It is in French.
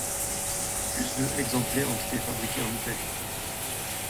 Plus de exemplaires ont été fabriqués en Italie.